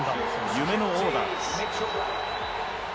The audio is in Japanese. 夢のオーダーです。